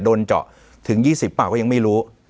โดนเจาะถึง๒๐๐ป่ะเขายังไม่รู้